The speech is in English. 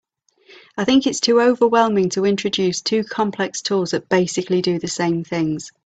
I think it’s too overwhelming to introduce two complex tools that basically do the same things.